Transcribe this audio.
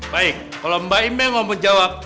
baik kalau mbak imeh gak mau jawab